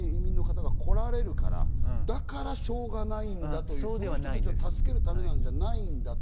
シリアから難民・移民の方がこられるから、だからしょうがないんだという、きっと助けるためじゃないんだと。